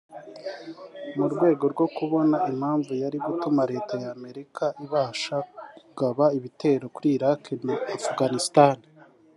mu rwego rwo kubona impamvu yari gutuma Leta ya Amerika ibasha kugaba ibitero kuri Irak na Afghanistan